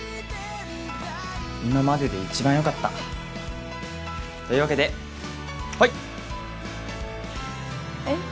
今までで一番よかったというわけではいえっ？